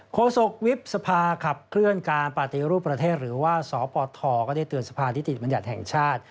โศกวิบสภาขับเคลื่อนการปฏิรูปประเทศหรือว่าสปทก็ได้เตือนสภานิติบัญญัติแห่งชาติ